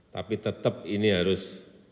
tapi tetap ini harus